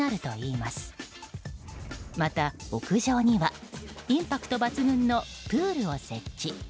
また、屋上にはインパクト抜群のプールを設置。